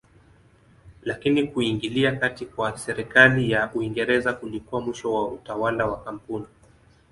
Lakini kuingilia kati kwa serikali ya Uingereza kulikuwa mwisho wa utawala wa kampuni.